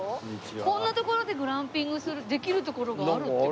こんな所でグランピングするできる所があるって事？